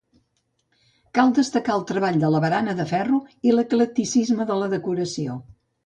Cal destacar el treball de la barana de ferro i l'eclecticisme de la decoració.